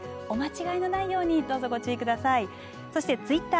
お間違えのないようにどうぞご注意ください。